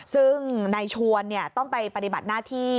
ซึ่งนายชวนต้องไปปฏิบัติหน้าที่